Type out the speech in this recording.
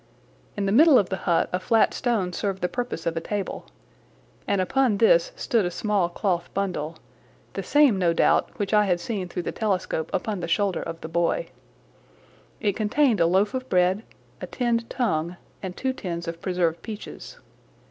In the middle of the hut a flat stone served the purpose of a table, and upon this stood a small cloth bundle—the same, no doubt, which I had seen through the telescope upon the shoulder of the boy. It contained a loaf of bread, a tinned tongue, and two tins of preserved peaches.